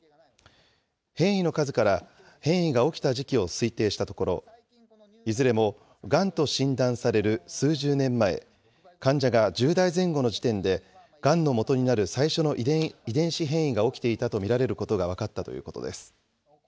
変異の数から、変異が起きた時期を推定したところ、いずれもがんと診断される数十年前、患者が１０代前後の時点で、がんのもとになる最初の遺伝子変異が起きていたと見られることが分かったということです。